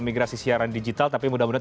migrasi siaran digital tapi mudah mudahan